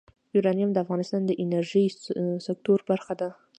یورانیم د افغانستان د انرژۍ سکتور برخه ده.